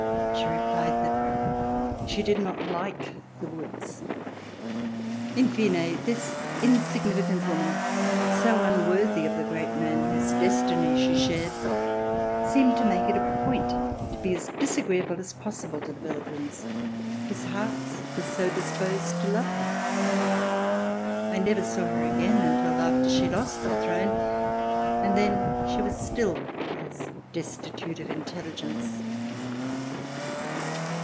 She replied that she did not like the woods. In fine, this insignificant woman, so unworthy of the great man whose destiny she shared, seemed to make it a point to be as dis agreeable as possible to the Belgians whose hearts were so disposed to love her. I never saw her again until after she lost her throne, and then she was still as destitute of intelligence.